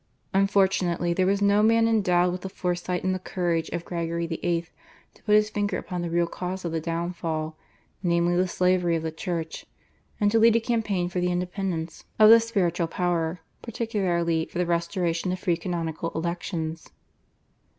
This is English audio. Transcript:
Unfortunately there was no man endowed with the foresight and the courage of Gregory VII. to put his finger upon the real cause of the downfall, namely the slavery of the Church, and to lead a campaign for the independence of the spiritual power, particularly for the restoration of free canonical elections.